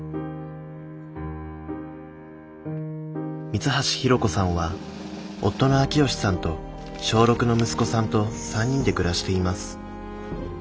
三橋博子さんは夫の朗喜さんと小６の息子さんと３人で暮らしています。